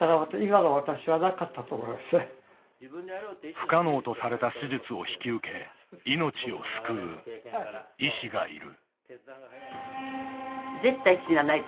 不可能とされた手術を引き受け命を救う医師がいる。